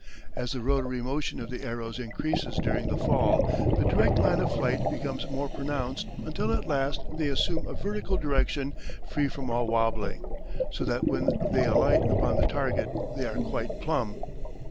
As the rotary motion of the arrows increases during the fall, the direct line of flight becomes more pronounced until at last they assume a vertical direction free from all wobbling, so that when they alight upon the target they are quite plumb.